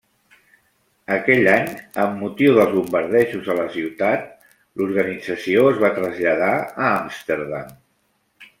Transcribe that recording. Aquell any, amb motiu dels bombardejos a la ciutat, l'organització es va traslladar a Amsterdam.